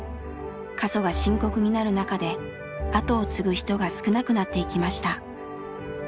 過疎が深刻になる中で後を継ぐ人が少なくなっていきました。